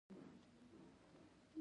د هستې دنده په حجره کې څه ده